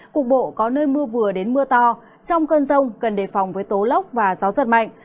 cục bộ có nơi mưa vừa đến mưa to trong cơn rông cần đề phòng với tố lốc và gió giật mạnh